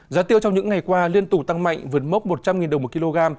giá tiêu trong những ngày qua liên tục tăng mạnh vượt mốc một trăm linh đồng một kg